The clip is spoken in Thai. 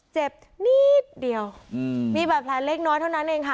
เจ็บนิดเดียวมีบาดแผลเล็กน้อยเท่านั้นเองค่ะ